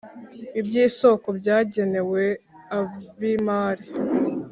iby’isoko byagenewe ab’imari